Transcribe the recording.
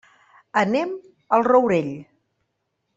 Anem al Rourell.